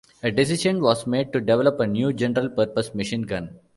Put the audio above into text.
A decision was made to develop a new general-purpose machine gun.